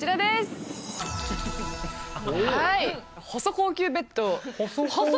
細高級ベッド？